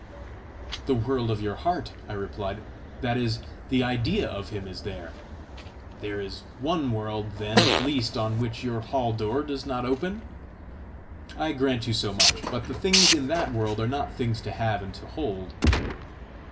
"The world of your heart!" I replied; " that is, the idea of him is there." "There is one world then at least on which your hall door does not open?" "I grant you so much; but the things in that world are not things to have and to hold."